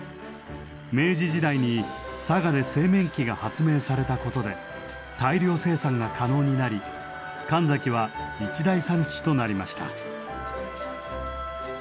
明治時代に佐賀で製麺機が発明されたことで大量生産が可能になり神埼は一大産地となりました。